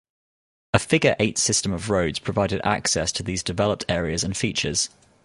A figure-eight system of roads provided access to these developed areas and features.